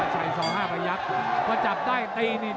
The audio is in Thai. ใส่สองห้าประยักษ์ก็จับได้ตีนี่